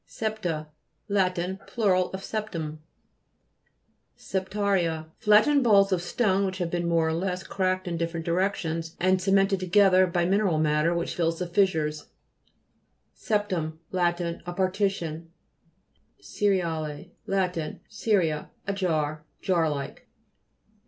SEPTA Lat. plur. of septum. SEPTA'RIA Flattened balls of stone, which have been more or less cracked in different directions and cemented together by mineral mat ter which fills the fissures." 232 GLOSSARY. GEOLOGY. SEPTUM Lat. A partition. SERIATE' Lat. fr. seria, ajar. Jar like.